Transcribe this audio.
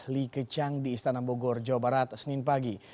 li kecang di istana bogor jawa barat senin pagi